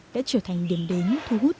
đã trở thành điểm đến thu hút